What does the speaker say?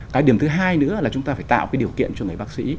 cái điểm thứ hai nữa là chúng ta phải tạo cái điều kiện cho người bác sĩ